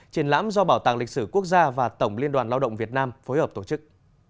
triển lãm do bảo tàng lịch sử quốc gia và tổng liên đoàn lao động việt nam phối hợp tổ chức